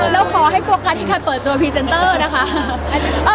แล้วขอให้โฟกัสนี้ทีในการปิดสตรอพรีเซนเตอร์นะคะ